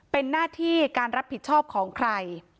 เป็นหน้าที่การรับผิดชอบของใคร